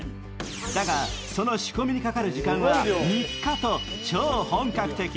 だが、その仕込みにかかる時間は３日と超本格的。